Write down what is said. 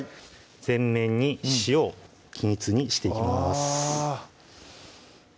全面に塩を均一にしていきますあぁ